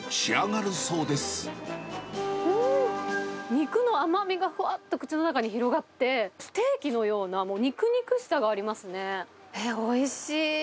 うーん、肉の甘みがふわっと口の中に広がって、ステーキのようなもう肉肉しさがありますね。